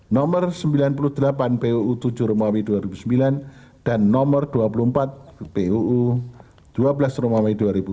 dua ribu sembilan nomor sembilan puluh delapan pu tujuh rumah w dua ribu sembilan dan nomor dua puluh empat pu dua belas rumah w dua ribu empat belas